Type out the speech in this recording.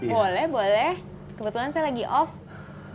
boleh boleh kebetulan saya lagi off